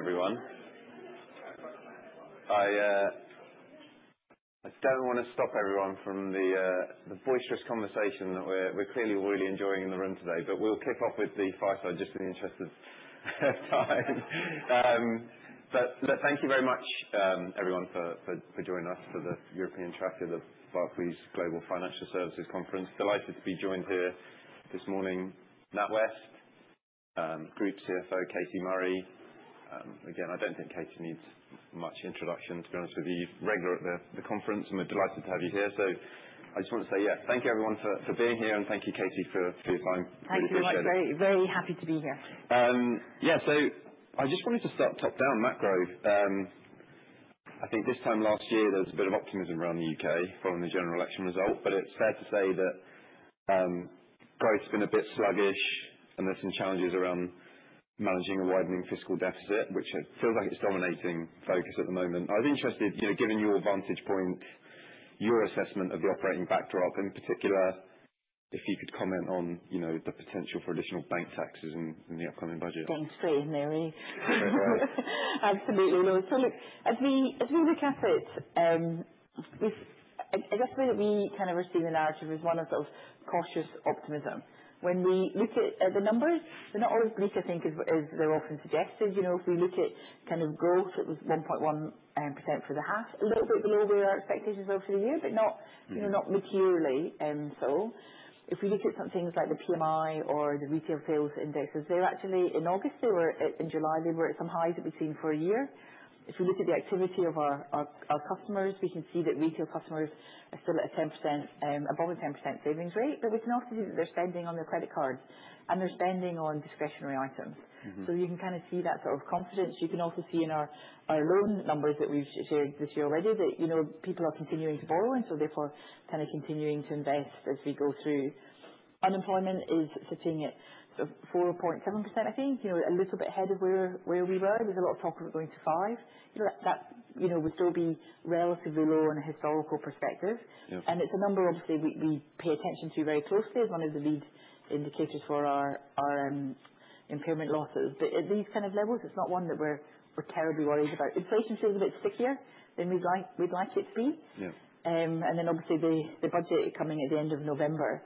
Thank you, everyone. I don't want to stop everyone from the boisterous conversation that we're clearly really enjoying in the room today, but we'll kick off with the fireside just in the interest of time, but look, thank you very much, everyone, for joining us for the European track of the Barclays Global Financial Services Conference. Delighted to be joined here this morning by NatWest Group CFO Katie Murray. Again, I don't think Katie needs much introduction, to be honest with you. You're a regular at the conference, and we're delighted to have you here, so I just want to say, yeah, thank you, everyone, for being here, and thank you, Katie, for your time. Really appreciate it. Thank you, very happy to be here. I just wanted to start top-down, macro.I think this time last year there was a bit of optimism around the U.K. following the general election result, but it's fair to say that growth's been a bit sluggish, and there's some challenges around managing a widening fiscal deficit, which feels like it's dominating focus at the moment. I was interested, given your vantage point, your assessment of the operating backdrop, in particular, if you could comment on the potential for additional bank taxes in the upcoming budget? Absolutely. As we look at it, we've, I guess the way that we kind of receive the narrative is one of sort of cautious optimism. When we look at the numbers, they're not always bleak, I think, as they're often suggested. If we look at kind of growth, it was 1.1% for the half, a little bit below where our expectations were for the year, but not materially so. If we look at some things like the PMI or the retail sales indexes, they're actually in August they were in July they were at some highs that we've seen for a year. If we look at the activity of our customers, we can see that retail customers are still at a 10% above a 10% savings rate, but we can also see that they're spending on their credit cards, and they're spending on discretionary items. So you can kind of see that sort of confidence. You can also see in our loan numbers that we've shared this year already that people are continuing to borrow, and so therefore kind of continuing to invest as we go through. Unemployment is sitting at sort of 4.7%, I think a little bit ahead of where we were. There's a lot of talk of it going to 5%. That would still be relatively low in a historical perspective. It's a number, obviously, we pay attention to very closely as one of the lead indicators for our impairment losses. But at these kind of levels, it's not one that we're terribly worried about. Inflation feels a bit stickier than we'd like it to be. Obviously, the budget coming at the end of November,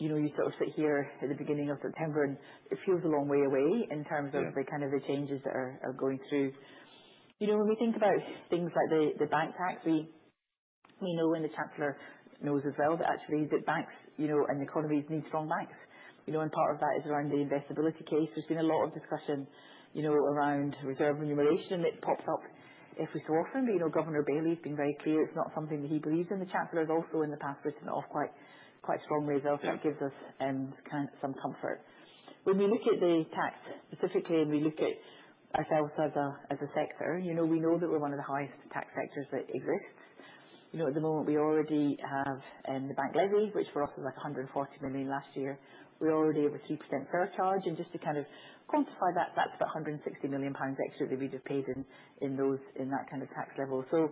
you sort of sit here at the beginning of September, and it feels a long way away in terms of the kind of changes that are going through. When we think about things like the bank tax, we know, and the Chancellor knows as well, that actually the banks, and the economies need strong banks. Part of that is around the investability case. There's been a lot of discussion around reserve remuneration, and it pops up every so often. But Governor Bailey's been very clear it's not something that he believes, and the Chancellor's also in the past written it off quite strongly as well. So that gives us, kind of some comfort. When we look at the tax specifically, and we look at ourselves as a sector, we know that we're one of the highest tax sectors that exist. At the moment, we already have, the bank levy, which for us was like 140 million last year. We're already over 3% surcharge. And just to kind of quantify that, that's about 160 million pounds extra that we'd have paid in, in those, in that kind of tax level. So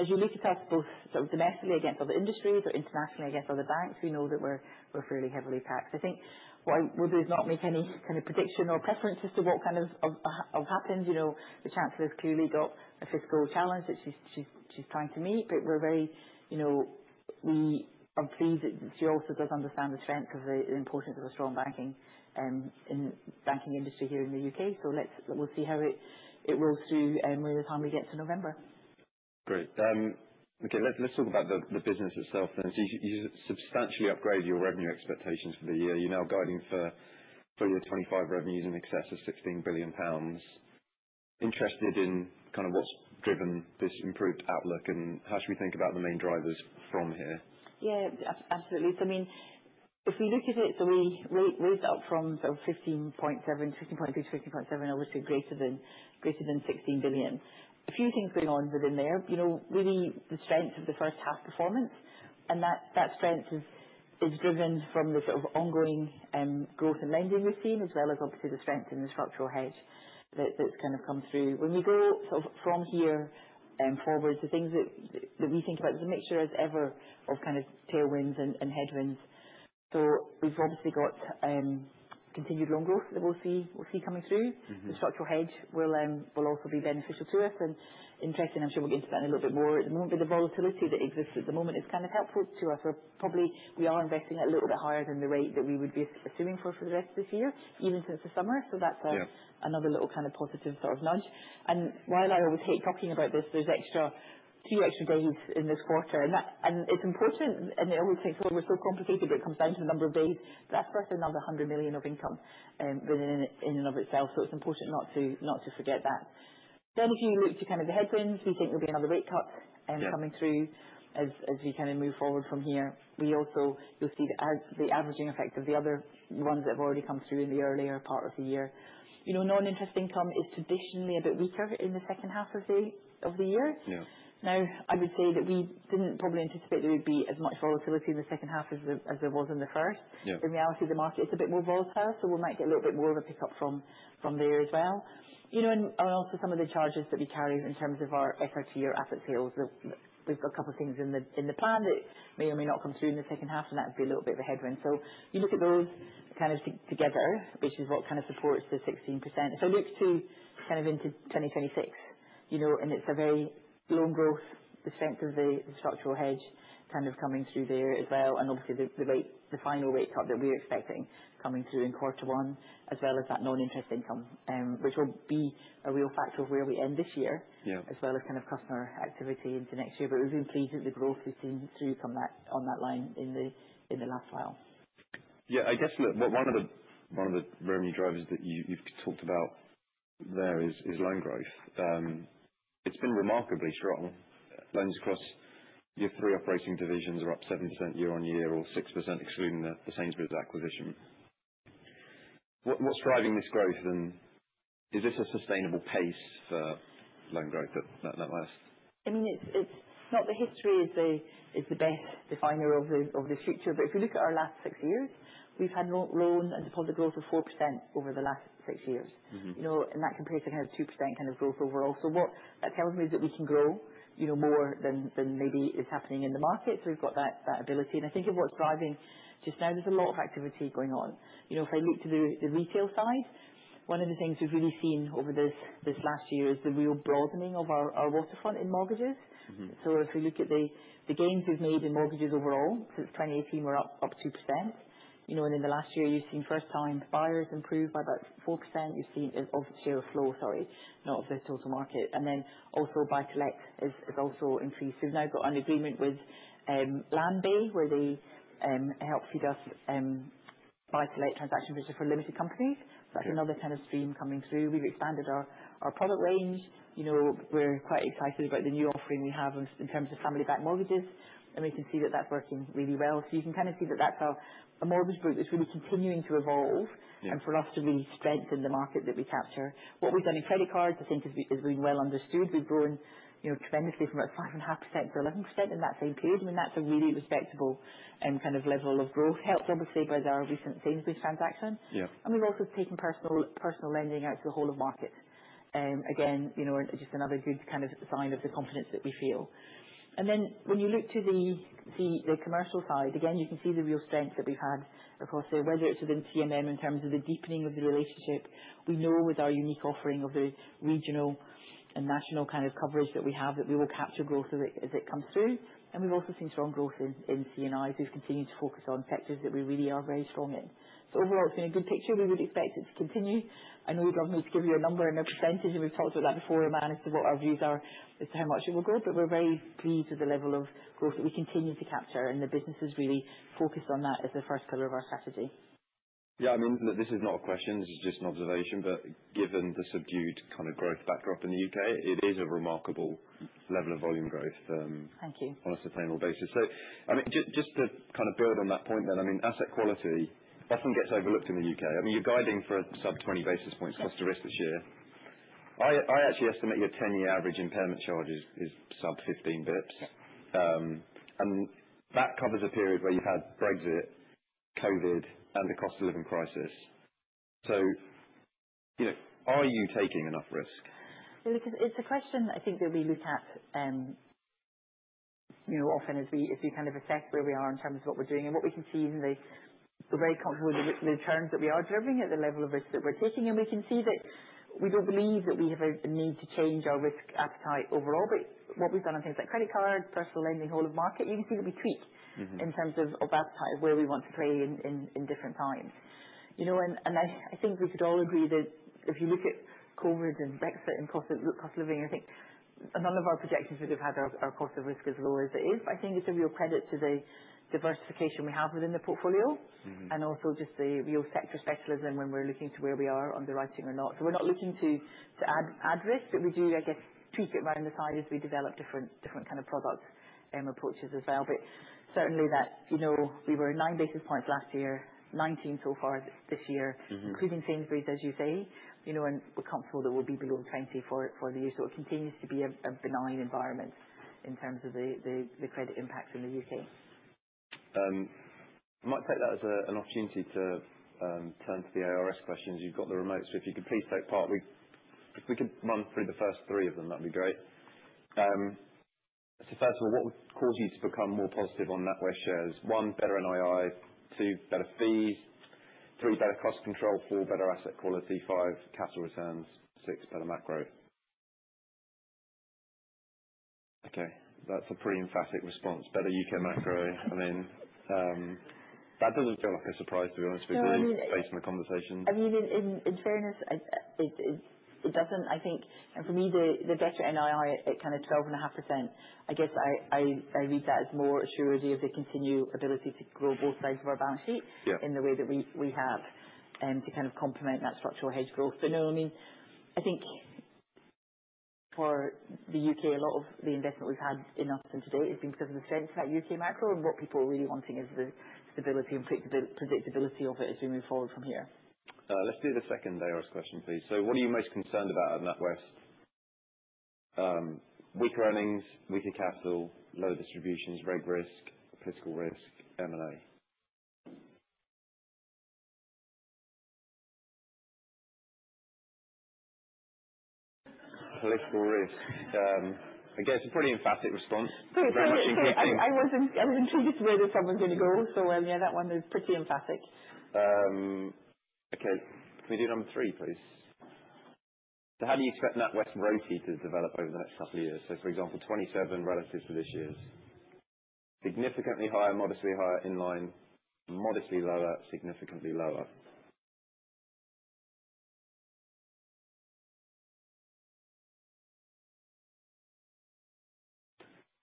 as you look at us both sort of domestically against other industries or internationally against other banks, we know that we're fairly heavily taxed. I think what I will do is not make any kind of prediction or preferences to what kind of happens. The Chancellor's clearly got a fiscal challenge that she's trying to meet, but we're very pleased that she also does understand the strength of the importance of a strong banking industry here in the U.K. So we'll see how it rolls through, by the time we get to November. Let's talk about the business itself then. So you substantially upgraded your revenue expectations for the year. You're now guiding for your '25 revenues in excess of £16 billion. Interested in kind of what's driven this improved outlook, and how should we think about the main drivers from here? Absolutely. If we look at it, so we start from sort of 15.3 to 15.7, obviously greater than 16 billion. A few things going on within there really the strength of the first half performance, and that strength is driven from the sort of ongoing growth and lending we've seen, as well as, obviously, the strength in the structural hedge that's kind of come through. When we go from here forward, the things that we think about, there's a mixture as ever of kind of tailwinds and headwinds. So we've obviously got continued loan growth that we'll see coming through. The structural hedge will also be beneficial to us. Interesting, I'm sure we'll get into that in a little bit more at the moment, but the volatility that exists at the moment is kind of helpful to us. We're probably, we are investing a little bit higher than the rate that we would be assuming for the rest of this year, even since the summer. So that's another little kind of positive sort of nudge. And while I always hate talking about this, there's two extra days in this quarter, and that, and it's important, and they always think, "Oh, we're so complicated," but it comes down to the number of days. That's worth another 100 million of income, within and of itself. So it's important not to forget that. Then if you look to kind of the headwinds, we think there'll be another rate cut coming through as we kind of move forward from here. We also, you'll see the averaging effect of the other ones that have already come through in the earlier part of the year. Non-interest income is traditionally a bit weaker in the second half of the year. Now, I would say that we didn't probably anticipate there would be as much volatility in the second half as there was in the first. In reality, the market is a bit more volatile, so we might get a little bit more of a pickup from there as well and also some of the charges that we carry in terms of our SRT, our asset sales, that we've got a couple of things in the plan that may or may not come through in the second half, and that would be a little bit of a headwind. So you look at those kind of together, which is what kind of supports the 16%. If I look to kind of into 2026, and it's a very loan growth, the strength of the, the structural hedge kind of coming through there as well, and obviously the, the rate, the final rate cut that we're expecting coming through in quarter one, as well as that non-interest income, which will be a real factor of where we end this year as well as kind of customer activity into next year, but we've been pleased with the growth we've seen through from that, on that line in the last while. One of the revenue drivers that you've talked about there is loan growth. It's been remarkably strong. Loans across your three operating divisions are up 7% year on year, or 6% excluding the Sainsbury's acquisition. What's driving this growth, and is this a sustainable pace for loan growth at NatWest? It's not the history is the best definer of the future, but if you look at our last six years, we've had loan growth of 4% over the last six years. That compares to kind of 2% kind of growth overall. So what that tells me is that we can grow more than maybe is happening in the market. So we've got that ability. And I think of what's driving just now, there's a lot of activity going on. If I look to the retail side, one of the things we've really seen over this last year is the real broadening of our waterfront in mortgages. So if we look at the gains we've made in mortgages overall, since 2018, we're up 2%. In the last year, you've seen first-time buyers improve by about 4%. You've seen our share of flow, sorry, not of the total market. And then also buy-to-let is also increased. We've now got an agreement with Landbay, where they help feed us buy-to-let transactions, which are for limited companies. That's another kind of stream coming through. We've expanded our, our product range. We're quite excited about the new offering we have in terms of family-backed mortgages, and we can see that that's working really well. So you can kind of see that that's our, our mortgage group that's really continuing to evolve for us to really strengthen the market that we capture. What we've done in credit cards, I think, is being well understood. We've grown tremendously from about 5.5% to 11% in that same period. I mean, that's a really respectable, kind of level of growth, helped, obviously, by our recent Sainsbury's transaction. And we've also taken personal lending out to the whole of market. Again, just another good kind of sign of the confidence that we feel. And then when you look to the commercial side, again, you can see the real strength that we've had across there, whether it's within CMM in terms of the deepening of the relationship. We know with our unique offering of the regional and national kind of coverage that we have, that we will capture growth as it comes through. And we've also seen strong growth in C&I, so we've continued to focus on sectors that we really are very strong in. So overall, it's been a good picture. We would expect it to continue. I know you'd love me to give you a number and a percentage, and we've talked about that before, Aman, as to what our views are as to how much it will go, but we're very pleased with the level of growth that we continue to capture, and the business is really focused on that as the first pillar of our strategy. This is not a question. This is just an observation. But given the subdued kind of growth backdrop in the UK, it is a remarkable level of volume growth. Thank you. On a sustainable basis, just to kind of build on that point then, I mean, asset quality often gets overlooked in the UK. I mean, you're guiding for a sub-20 basis points cost of risk this year. I actually estimate your 10-year average impairment charge is sub-15 bps and that covers a period where you've had Brexit, COVID, and the cost of living crisis. Are you taking enough risk? It's a question I think that we look at often as we kind of assess where we are in terms of what we're doing. What we can see is we're very comfortable with the terms that we are delivering at the level of risk that we're taking. We can see that we don't believe that we have a need to change our risk appetite overall. What we've done on things like credit cards, personal lending, whole of market, you can see that we tweak in terms of appetite, where we want to play in different times. and I think we could all agree that if you look at COVID and Brexit and cost of living, I think none of our projections would have had our cost of risk as low as it is. It's a real credit to the diversification we have within the portfolio and also just the real sector specialism when we're looking to where we are on the rising or not. So we're not looking to add risk, but we do, I guess, tweak it by the side as we develop different kind of product approaches as well. But certainly that we were 9 basis points last year, 19 so far this year including Sainsbury's, as you say, we're comfortable that we'll be below 20 for the year. So it continues to be a benign environment in terms of the credit impact in the UK. I might take that as an opportunity to turn to the ARS questions. You've got the remote, so if you could please take part, if we could run through the first three of them, that'd be great. First of all, what would cause you to become more positive on NatWest shares? One, better NII. Two, better fees. Three, better cost control. Four, better asset quality. Five, capital returns. Six, better macro. Okay, that's a pretty emphatic response. Better UK macro. I mean, that doesn't feel like a surprise, to be honest with you based on the conversation. It doesn't, and for me, the better NII at kind of 12.5%, I guess I read that as more assurance of the continued ability to grow both sides of our balance sheet. In the way that we have to kind of complement that structural hedge growth, but no, I mean, I think for the U.K., a lot of the investment we've had in us until today has been because of the strength of that U.K. macro, and what people are really wanting is the stability and predictability of it as we move forward from here. Let's do the second ARS question, please. So what are you most concerned about at NatWest? Weaker earnings, weaker capital, low distributions, reg risk, political risk, M&A. Political risk. Again, it's a pretty emphatic response. Very emphatic. Very much in keeping. I was intrigued to where this one was gonna go. So, yeah, that one is pretty emphatic. Okay, can we do number three, please? So how do you expect NatWest's RoTE to develop over the next couple of years? So, for example, 27 relative to this year's. Significantly higher, modestly higher in line, modestly lower, significantly lower.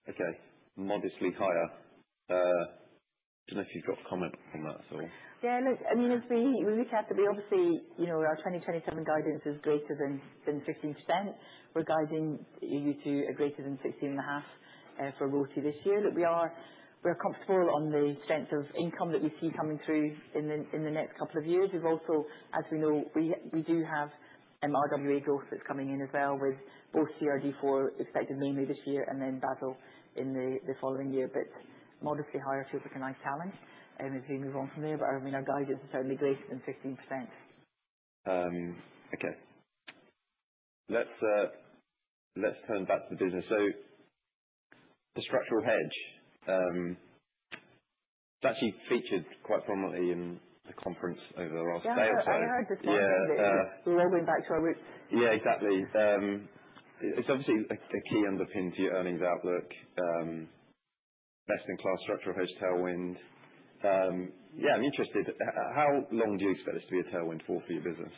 Okay, modestly higher. I don't know if you've got a comment on that at all. As we look at that, we obviously, our 2027 guidance is greater than, than 15%. We're guiding you to a greater than 16.5%, for RoTE this year. Look, we are, we are comfortable on the strength of income that we see coming through in the, in the next couple of years. We've also, as we know, we, we do have, RWA growth that's coming in as well, with both CRD IV expected mainly this year and then Basel in the, the following year. But modestly higher feels like a nice challenge, as we move on from there. But, I mean, our guidance is certainly greater than 15%. Let's turn back to the business, so the structural hedge, it's actually featured quite prominently in the conference over the last day or so. Yeah, I heard this morning. We're all going back to our roots. Yeah, exactly. It's obviously a key underpin to your earnings outlook, best-in-class structural hedge tailwind. Yeah, I'm interested. How long do you expect this to be a tailwind for your business?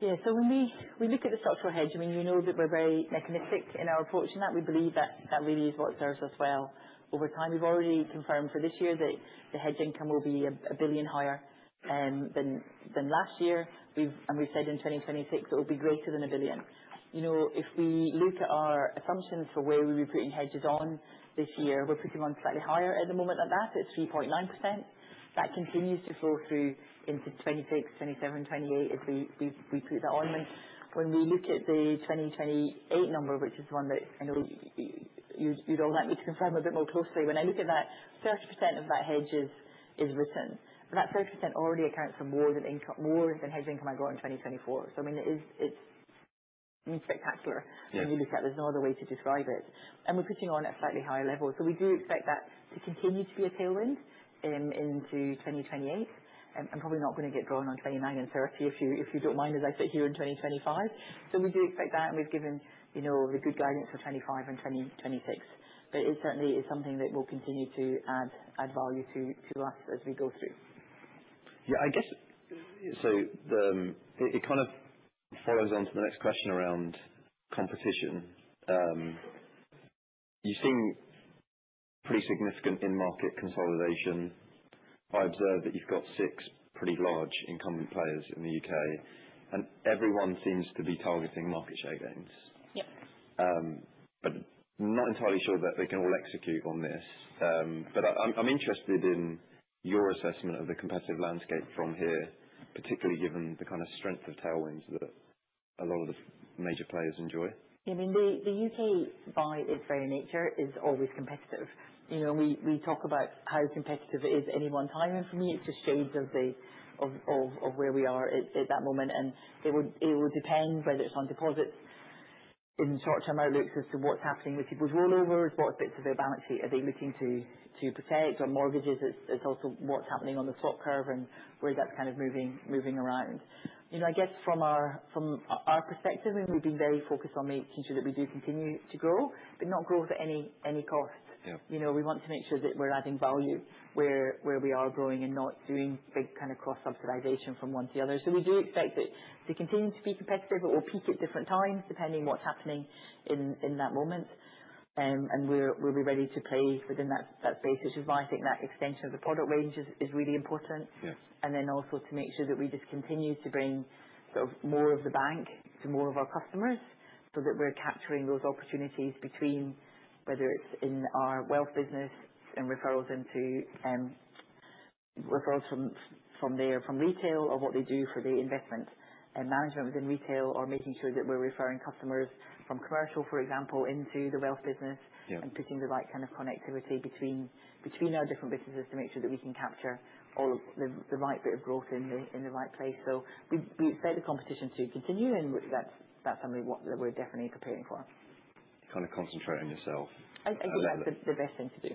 When we look at the structural hedge that we're very mechanistic in our approach in that. We believe that that really is what serves us well over time. We've already confirmed for this year that the hedge income will be 1 billion higher than last year. And we've said in 2026 that it'll be greater than 1 billion. If we look at our assumptions for where we'll be putting hedges on this year, we're putting one slightly higher at the moment at 3.9%. That continues to flow through into 2026, 2027, 2028 as we put that on. When we look at the 2028 number, which is the one that I know you'd all like me to confirm a bit more closely, when I look at that, 30% of that hedge is written. But that 30% already accounts for more than income, more than hedge income I got in 2024. It is spectacular. When you look at it, there's no other way to describe it, and we're putting on at slightly higher level, so we do expect that to continue to be a tailwind, into 2028. I'm probably not gonna get drawn on 2029 and 2030 if you don't mind, as I sit here in 2025, so we do expect that, and we've given the good guidance for 2025 and 2026, but it certainly is something that will continue to add value to us as we go through. It kind of follows on to the next question around competition. You've seen pretty significant in-market consolidation. I observe that you've got six pretty large incumbent players in the UK, and everyone seems to be targeting market share gains. But not entirely sure that they can all execute on this. But I'm interested in your assessment of the competitive landscape from here, particularly given the kind of strength of tailwinds that a lot of the major players enjoy? The U.K., by its very nature, is always competitive. We talk about how competitive it is any one time, and for me, it just shades of the where we are at that moment, and it would depend whether it's on deposits in the short-term outlooks as to what's happening with people's rollovers, what bits of their balance sheet are they looking to protect, or mortgages. It's also what's happening on the stock curve and where that's kind of moving around. I guess from our perspective, I mean, we've been very focused on making sure that we do continue to grow, but not growth at any cost. We want to make sure that we're adding value where we are growing and not doing big kind of cross-subsidization from one to the other. So we do expect that to continue to be competitive, but we'll peak at different times depending on what's happening in that moment, and we'll be ready to play within that space, which is why I think that extension of the product range is really important. To make sure that we just continue to bring sort of more of the bank to more of our customers so that we're capturing those opportunities between whether it's in our wealth business and referrals into, referrals from there, from retail or what they do for the investment management within retail, or making sure that we're referring customers from commercial, for example, into the wealth business and putting the right kind of connectivity between our different businesses to make sure that we can capture all of the right bit of growth in the right place. So we expect the competition to continue, and that's something that we're definitely preparing for. Kind of concentrate on yourself. I think that's the best thing to do.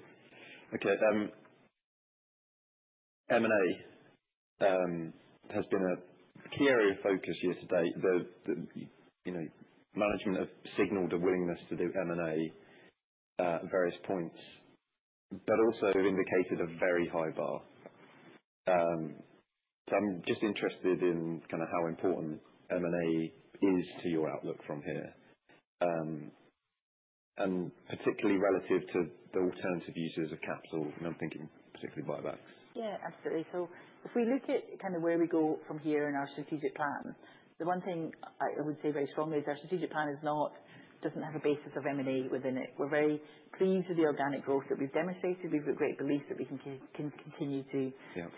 M&A has been a key area of focus year to date. The management have signaled a willingness to do M&A at various points, but also have indicated a very high bar. So I'm just interested in kind of how important M&A is to your outlook from here, and particularly relative to the alternative uses of capital, and I'm thinking particularly buybacks. Yeah, absolutely. So if we look at kind of where we go from here in our strategic plan, the one thing I would say very strongly is our strategic plan is not, doesn't have a basis of M&A within it. We're very pleased with the organic growth that we've demonstrated. We've got great belief that we can continue to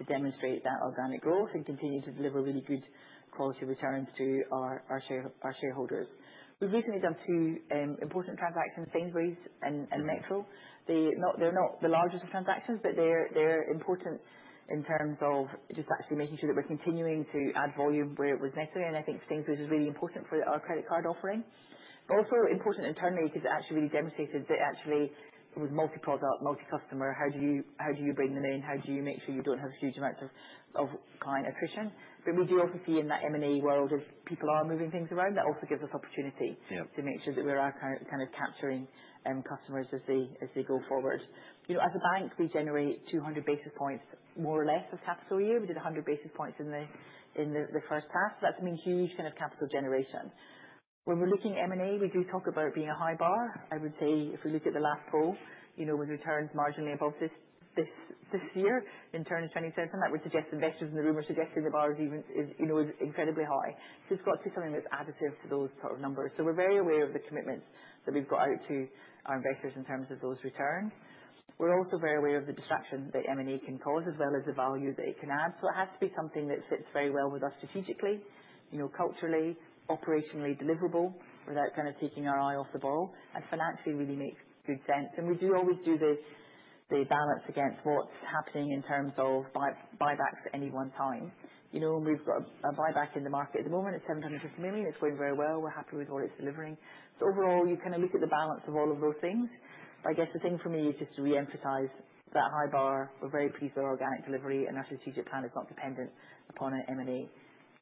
demonstrate that organic growth and continue to deliver really good quality returns to our shareholders. We've recently done two important transactions, Sainsbury's and Metro. They're not the largest of transactions, but they're important in terms of just actually making sure that we're continuing to add volume where it was necessary. Sainsbury's was really important for our credit card offering. But also important internally because it actually really demonstrated that actually it was multi-product, multi-customer. How do you bring them in? How do you make sure you don't have huge amounts of client attrition? But we do also see in that M&A world, as people are moving things around, that also gives us opportunity to make sure that we're kind of capturing customers as they go forward. As a bank, we generate 200 basis points more or less of capital a year. We did 100 basis points in the first half. So that's, I mean, huge kind of capital generation. When we're looking at M&A, we do talk about it being a high bar. I would say if we look at the last poll with returns marginally above this year into 2027, that would suggest investors in the room are suggesting the bar is even incredibly high. So it's got to be something that's additive to those sort of numbers. So we're very aware of the commitments that we've got out to our investors in terms of those returns. We're also very aware of the distraction that M&A can cause as well as the value that it can add. So it has to be something that fits very well with us strategically, culturally, operationally deliverable without kind of taking our eye off the ball. And financially, it really makes good sense. And we do always do the balance against what's happening in terms of buybacks at any one time. We've got a buyback in the market at the moment. It's 750 million. It's going very well. We're happy with what it's delivering. Overall, you kind of look at the balance of all of those things. The thing for me is just to re-emphasize that high bar. We're very pleased with our organic delivery, and our strategic plan is not dependent upon an M&A.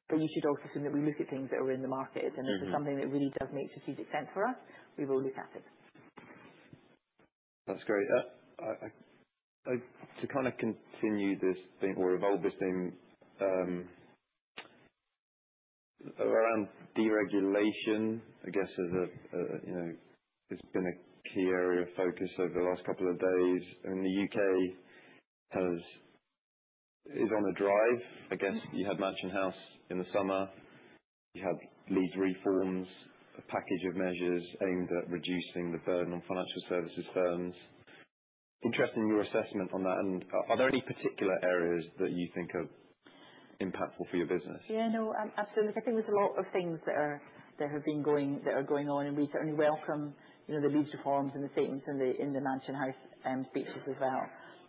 But you should also assume that we look at things that are in the market. And if it's something that really does make strategic sense for us, we will look at it. That's great. I to kind of continue this thing or evolve this thing around deregulation, It's been a key area of focus over the last couple of days. I mean, the UK is on a drive. I guess you had Mansion House in the summer. You had these reforms, a package of measures aimed at reducing the burden on financial services firms. Interested in your assessment on that. And are there any particular areas that you think are impactful for your business? Absolutely. There's a lot of things that are, that have been going, that are going on. We certainly welcome these reforms and the statements in the, in the Mansion House speeches as well.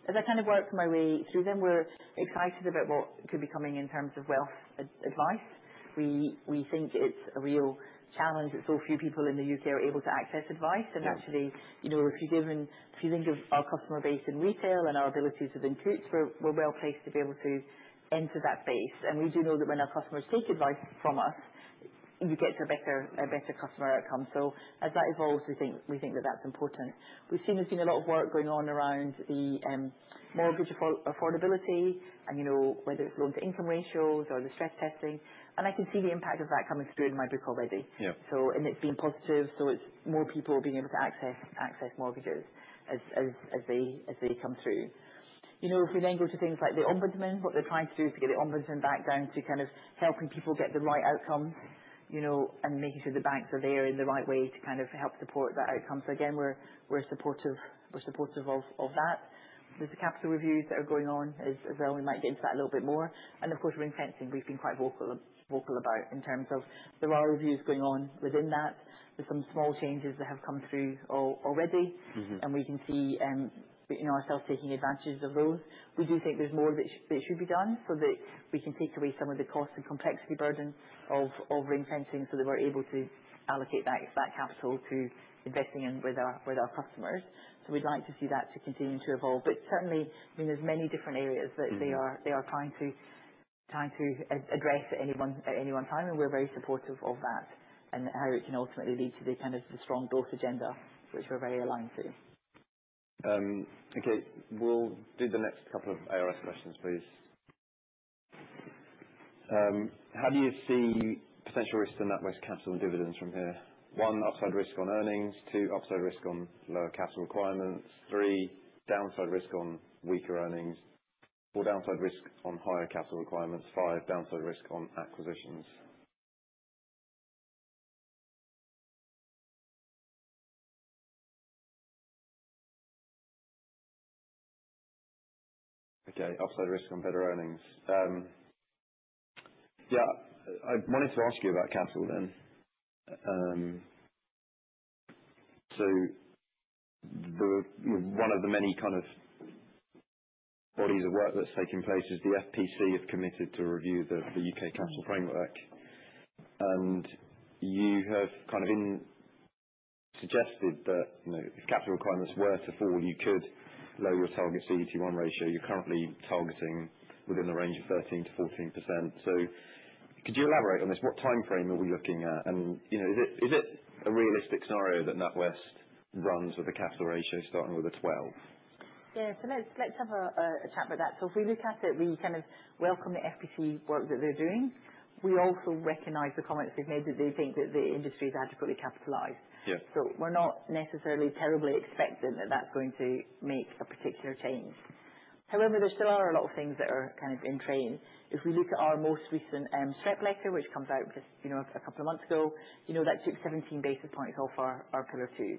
As I kind of work my way through them, we're excited about what could be coming in terms of wealth advice. We think it's a real challenge that so few people in the UK are able to access advice. If you're given, if you think of our customer base in retail and our abilities within Coutts, we're well placed to be able to enter that space. And we do know that when our customers take advice from us, you get to a better customer outcome. So as that evolves, we think that that's important. We've seen there's been a lot of work going on around the mortgage affordability and whether it's loan-to-income ratios or the stress testing. And I can see the impact of that coming through in my book already. It's been positive. It's more people being able to access mortgages as they come through. If we then go to things like the Ombudsman, what they're trying to do is to get the Ombudsman back down to kind of helping people get the right outcomes and making sure the banks are there in the right way to kind of help support that outcome. Again, we're supportive of that. There's the capital reviews that are going on as well. We might get into that a little bit more. Of course, ring-fencing, we've been quite vocal about in terms of there are reviews going on within that. There's some small changes that have come through already. We can see ourselves taking advantage of those. We do think there's more that should be done so that we can take away some of the cost and complexity burden of ring-fencing so that we're able to allocate that capital to investing in with our customers. We'd like to see that to continue to evolve. Certainly, I mean, there's many different areas that they are trying to address at any one time. We're very supportive of that and how it can ultimately lead to the kind of strong growth agenda, which we're very aligned to. We'll do the next couple of ARS questions, please. How do you see potential risks in NatWest capital and dividends from here? One, upside risk on earnings. Two, upside risk on lower capital requirements. Three, downside risk on weaker earnings. Four, downside risk on higher capital requirements. Five, downside risk on acquisitions. Okay, upside risk on better earnings. Yeah, I wanted to ask you about capital then and one of the many kind of bodies of work that's taken place is the FPC have committed to review the, the UK capital framework. You have kind of in suggested that if capital requirements were to fall, you could lower your target CET1 ratio. You're currently targeting within the range of 13%-14%. So could you elaborate on this? What timeframe are we looking at? Is it a realistic scenario that NatWest runs with a capital ratio starting with a 12? Yeah, so let's have a chat about that. So if we look at it, we kind of welcome the FPC work that they're doing. We also recognize the comments they've made that they think that the industry's adequately capitalized. Yeah. So we're not necessarily terribly expecting that that's going to make a particular change. However, there still are a lot of things that are kind of in train. If we look at our most recent SREP letter, which comes out just a couple of months ago,. That took 17 basis points off our Pillar 2.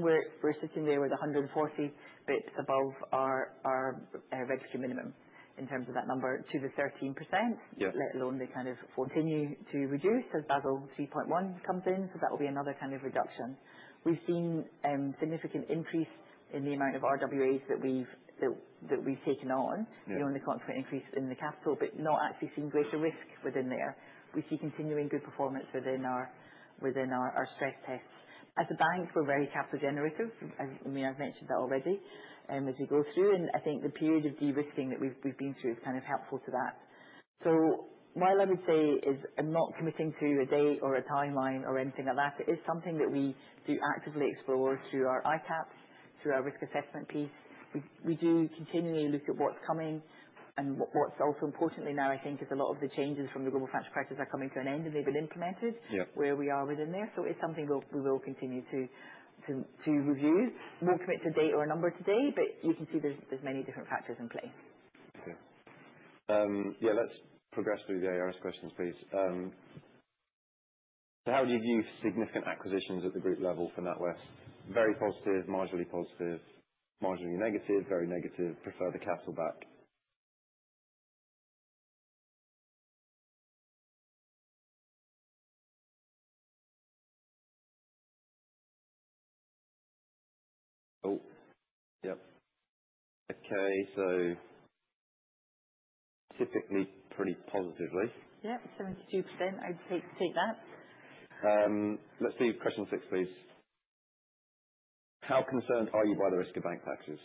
We're sitting there with 140 basis points above our regulatory minimum in terms of that number to the 13%. Let alone the kind of continue to reduce as Basel 3.1 comes in. So that'll be another kind of reduction. We've seen significant increase in the amount of RWAs that we've taken on. The consequent increase in the capital, but not actually seeing greater risk within there. We see continuing good performance within our stress tests. As a bank, we're very capital generative. I mean, I've mentioned that already, as we go through. The period of derisking that we've been through is kind of helpful to that. I would say is I'm not committing to a date or a timeline or anything like that. It is something that we do actively explore through our ICAAPs, through our risk assessment piece. We do continually look at what's coming. And what's also importantly now, I think, is a lot of the changes from the Global Financial Crisis are coming to an end, and they've been implemented where we are within there. So it's something we'll continue to review. We won't commit to a date or a number today, but you can see there's many different factors in place. Let's progress through the ARS questions, please. So how do you view significant acquisitions at the group level for NatWest? Very positive, marginally positive, marginally negative, very negative, prefer the capital back. Oh, yep. Okay, so typically pretty positively. Yep, 72%. I'd take that. Let's do question 6, please. How concerned are you by the risk of bank taxes?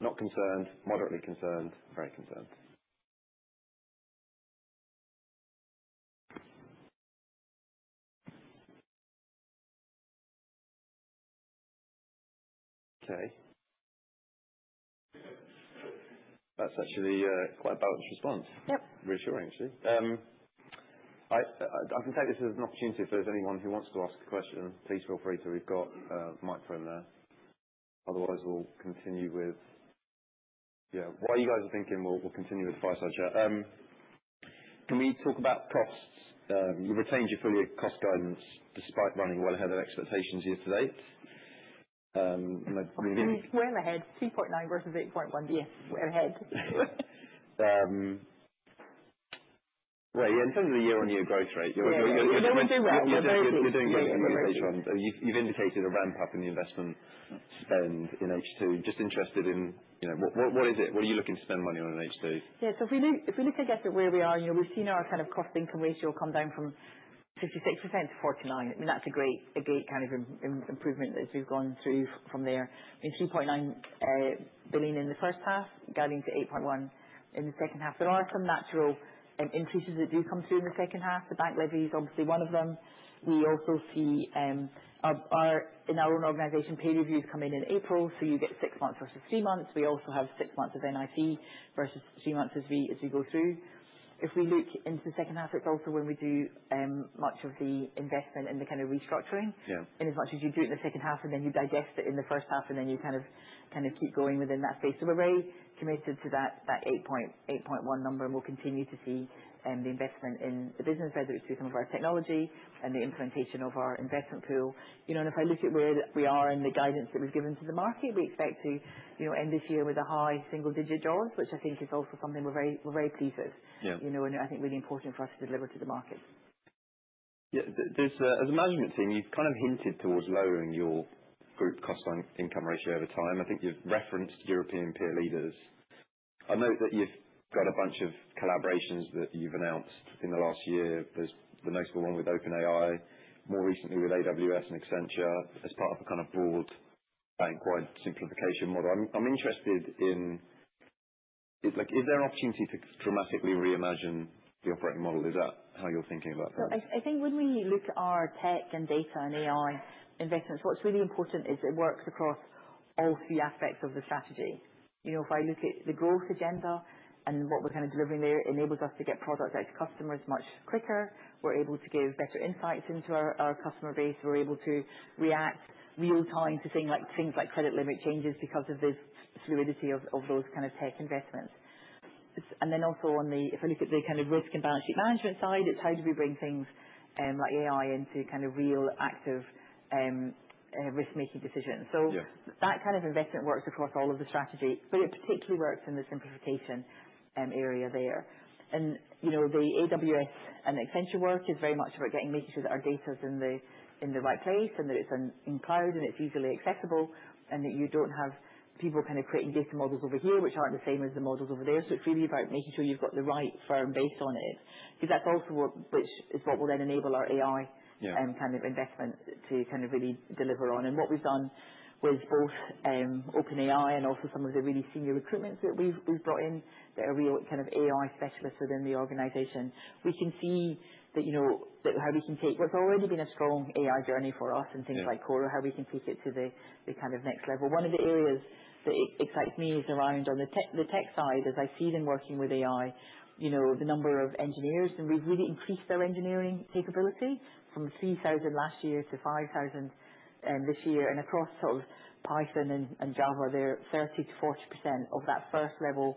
Not concerned, moderately concerned, very concerned. Okay. That's actually, quite a balanced response. Reassuring, actually. I can take this as an opportunity. If there's anyone who wants to ask a question, please feel free to. We've got Mike from there. Otherwise, we'll continue with, yeah, why you guys are thinking we'll continue with fireside chat. Can we talk about costs? You retained your full year cost guidance despite running well ahead of expectations year to date. We've run well ahead, 2.9 versus 8.1. Yes, well ahead. In terms of the year-on-year growth rate, you're doing good. You've indicated a ramp-up in the investment spend in H2. Just interested in what is it? What are you looking to spend money on in H2? If we look, I guess, at where we are, we've seen our kind of cost-to-income ratio come down from 56% to 49%. I mean, that's a great kind of improvement as we've gone through from there. I mean, 3.9 billion in the first half, guiding to 8.1 billion in the second half. There are some natural increases that do come through in the second half. The bank levy is obviously one of them. We also see, in our own organization, pay reviews come in in April. So you get six months versus three months. We also have six months of NIC versus three months as we go through. If we look into the second half, it's also when we do much of the investment and the kind of restructuring. In as much as you do it in the second half, and then you digest it in the first half, and then you kind of, kind of keep going within that space, so we're very committed to that, that 8.8.1 number, and we'll continue to see the investment in the business, whether it's through some of our technology and the implementation of our investment pool. I look at where we are and the guidance that we've given to the market, we expect to end this year with a high single-digit jaws, which I think is also something we're very, we're very pleased with. I think really important for us to deliver to the market. There's, as a management team, you've kind of hinted towards lowering your group cost-to-income ratio over time. I think you've referenced European peer leaders. I know that you've got a bunch of collaborations that you've announced in the last year. There's the notable one with OpenAI, more recently with AWS and Accenture as part of a kind of broad bank-wide simplification model. I'm interested in, like, is there an opportunity to dramatically reimagine the operating model? Is that how you're thinking about that? I think when we look at our tech and data and AI investments, what's really important is it works across all three aspects of the strategy. If I look at the growth agenda and what we're kind of delivering there, it enables us to get products out to customers much quicker. We're able to give better insights into our customer base. We're able to react real-time to things like credit limit changes because of the fluidity of those kind of tech investments. And then also on the if I look at the kind of risk and balance sheet management side, it's how do we bring things like AI into kind of real active risk-making decisions. That kind of investment works across all of the strategy, but it particularly works in the simplification area there. The AWS and Accenture work is very much about getting, making sure that our data's in the right place and that it's in cloud and it's easily accessible and that you don't have people kind of creating data models over here which aren't the same as the models over there. So it's really about making sure you've got the right firm base on it because that's also which is what will then enable our AI and kind of investment to kind of really deliver on. What we've done with both OpenAI and also some of the really senior recruitments that we've brought in that are real kind of AI specialists within the organization, we can see that how we can take what's already been a strong AI journey for us and things like Cora, how we can take it to the kind of next level. One of the areas that excites me is around on the tech, the tech side, as I see them working with AI, the number of engineers. And we've really increased their engineering capability from 3,000 last year to 5,000 this year. And across sort of Python and Java, they're 30%-40% of that first-level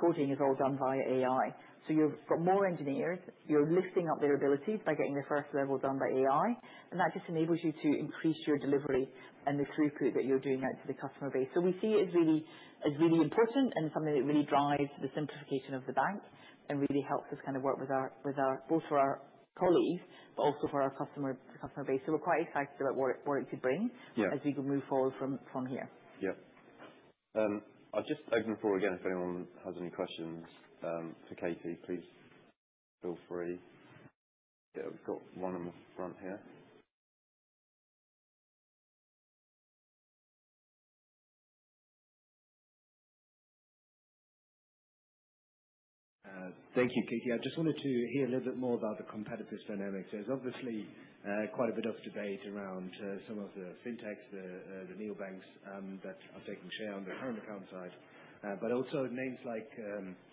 coding is all done via AI. So you've got more engineers. You're lifting up their abilities by getting the first level done by AI. And that just enables you to increase your delivery and the throughput that you're doing out to the customer base. So we see it as really important and something that really drives the simplification of the bank and really helps us kind of work with our both for our colleagues but also for our customer, the customer base. So we're quite excited about what it could bring as we move forward from here. I'll just open the floor again if anyone has any questions for Katie. Please feel free. We've got one on the front here. Thank you, Katie. I just wanted to hear a little bit more about the competitors' dynamics. There's obviously quite a bit of debate around some of the fintechs, the neobanks, that are taking share on the current account side. But also names like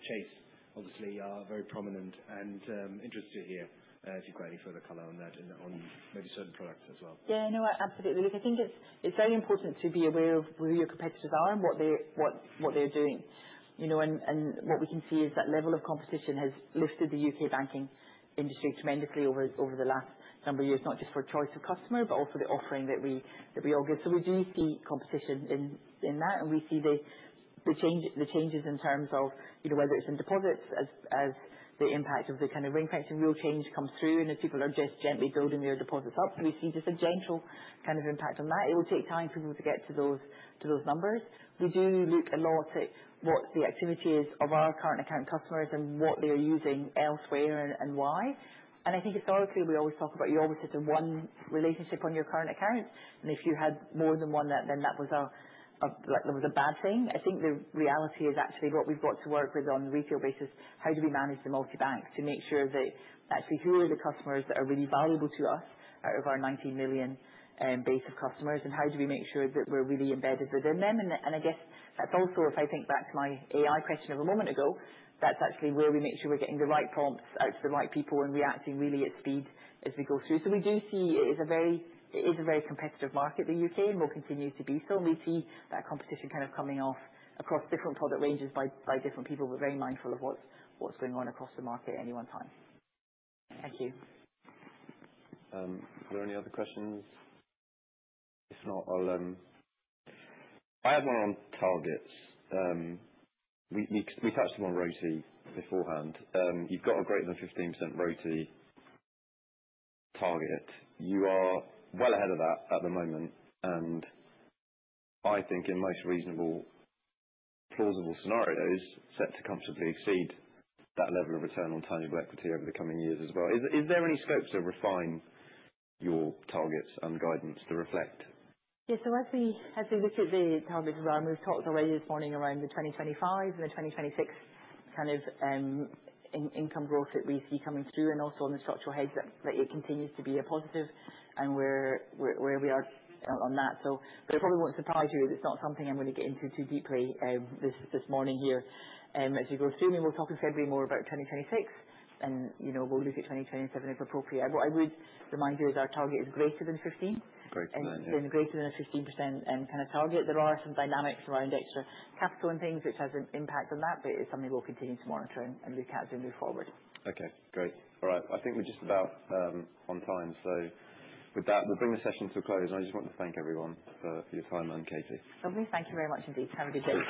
Chase obviously are very prominent and interested to hear if you've got any further color on that and on maybe certain products as well. Yeah, no, absolutely. Look, I think it's very important to be aware of who your competitors are and what they're doing. What we can see is that level of competition has lifted the U.K. banking industry tremendously over the last number of years, not just for choice of customer but also the offering that we all give. So we do see competition in that. And we see the change, the changes in terms of whether it's in deposits as the impact of the kind of ring-fencing rule change comes through and as people are just gently building their deposits up. So we see just a gentle kind of impact on that. It will take time for people to get to those numbers. We do look a lot at what the activity is of our current account customers and what they are using elsewhere and why. And I think historically we always talk about you always sit in one relationship on your current account. And if you had more than one, then that was, like, a bad thing. I think the reality is actually what we've got to work with on the retail basis, how do we manage the multi-bank to make sure that actually who are the customers that are really valuable to us out of our 19 million base of customers? And how do we make sure that we're really embedded within them? That's also, if I think back to my AI question of a moment ago, that's actually where we make sure we're getting the right prompts out to the right people and reacting really at speed as we go through. We do see it is a very competitive market, the U.K., and will continue to be so. We see that competition kind of coming off across different product ranges by different people. We're very mindful of what's going on across the market at any one time. Thank you. Are there any other questions? If not, I have one on targets. We touched upon RoTE beforehand. You've got a greater than 15% RoTE target. You are well ahead of that at the moment, and I think in most reasonable, plausible scenarios, set to comfortably exceed that level of return on tangible equity over the coming years as well. Is there any scope to refine your targets and guidance to reflect? As we look at the targets as well, and we've talked already this morning around the 2025 and the 2026 kind of NII growth that we see coming through and also on the structural hedge that it continues to be a positive, and we're where we are on that. So, but it probably won't surprise you if it's not something I'm going to get into too deeply this morning here. As we go through, I mean, we'll talk in February more about 2026. We'll look at 2027 if appropriate. What I would remind you is our target is greater than 15. Great. Greater than a 15% kind of target. There are some dynamics around extra capital and things which has an impact on that, but it is something we'll continue to monitor and look at as we move forward. Great. All right. I think we're just about on time. So with that, we'll bring the session to a close. And I just want to thank everyone for your time and Katie. Lovely. Thank you very much indeed. Have a good day.